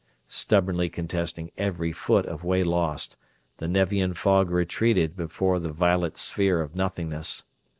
Stubbornly contesting every foot of way lost, the Nevian fog retreated before the violet sphere of nothingness.